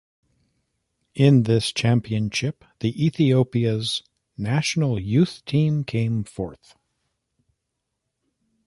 In this championship, the Ethiopia's National Youth team came fourth.